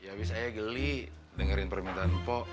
ya abis aja geli dengerin permintaan po